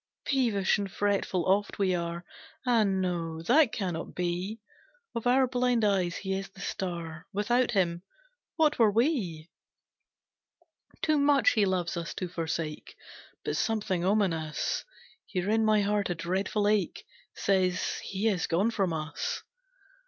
"Peevish and fretful oft we are, Ah, no that cannot be: Of our blind eyes he is the star, Without him, what were we? "Too much he loves us to forsake, But something ominous, Here in my heart, a dreadful ache, Says, he is gone from us.